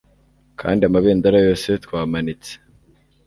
Kandi amabendera yose twamanitse